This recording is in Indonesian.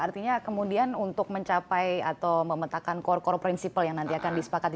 artinya kemudian untuk mencapai atau memetakan core core principle yang nanti akan disepakati